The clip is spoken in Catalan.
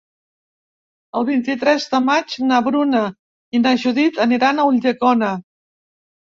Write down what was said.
El vint-i-tres de maig na Bruna i na Judit aniran a Ulldecona.